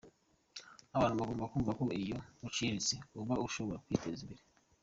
Abantu bagomba kumva ko iyo ushiritse ubute ushobora kwiteza imbere.